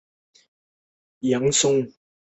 嘉靖十一年壬辰科第三甲第一百八十三名进士。